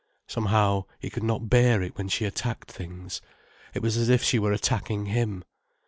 Somehow, he could not bear it, when she attacked things. It was as if she were attacking him.